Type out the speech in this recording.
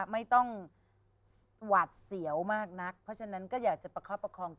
ไม่ต้องหวาดเสียวมากนักเพราะฉะนั้นก็อยากจะประคับประคองกัน